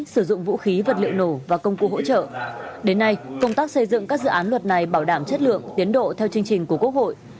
sử dụng vũ khí vật liệu nổ và công cụ hỗ trợ đến nay công tác xây dựng các dự án luật này bảo đảm chất lượng tiến độ theo chương trình của quốc hội